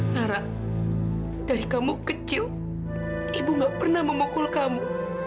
nara dari kamu kecil ibu gak pernah memukul kamu